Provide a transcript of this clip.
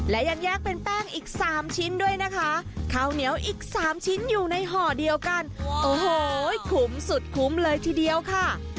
และยังแยกเป็นแป้งอีกสามชิ้นด้วยนะคะข้าวเหนียวอีกสามชิ้นอยู่ในห่อเดียวกันโอ้โหคุ้มสุดคุ้มเลยทีเดียวค่ะ